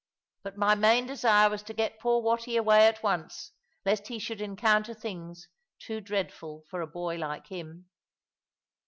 But my main desire was to get poor Watty away at once, lest he should encounter things too dreadful for a boy like him.